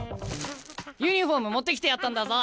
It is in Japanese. ユニフォーム持ってきてやったんだぞ。